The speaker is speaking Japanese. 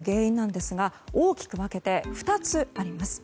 こうしたトラブルの原因なんですが大きく分けて２つあります。